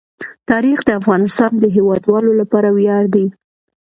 تاریخ د افغانستان د هیوادوالو لپاره ویاړ دی.